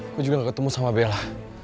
aku juga gak ketemu sama bella